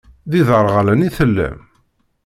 D iderɣalen i tellam?